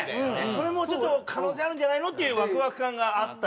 それもちょっと可能性あるんじゃないの？っていうワクワク感があったら。